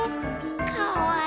かわいい。